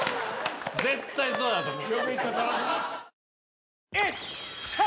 絶対そうだと思う。